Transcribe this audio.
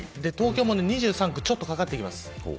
東京も２３区ちょっとかかってきます。